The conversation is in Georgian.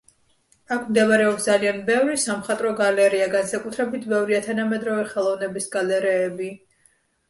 აქ მდებარეობს ძალიან ბევრი სამხატვრო გალერეა, განსაკუთრებით ბევრია თანამედროვე ხელოვნების გალერეები.